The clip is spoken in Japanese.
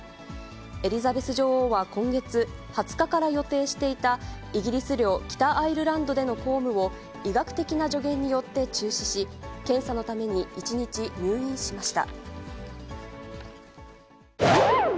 エリザベス女王は今月２０日から予定していたイギリス領北アイルランドでの公務を医学的な助言によって中止し、検査のために一日、入院しました。